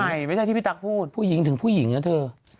คนใหม่ไม่ใช่พี่ตั๊กพูดมันถึงผู้หญิงนะเธอ